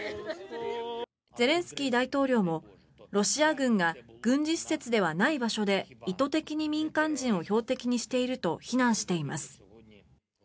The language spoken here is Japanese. ゼレンスキー大統領もロシア軍が軍事施設ではない場所で意図的に民間人を標的にしていると非難しています。